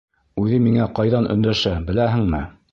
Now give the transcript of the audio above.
Үҙе миңә ҡайҙан өндәшә, беләһеңме?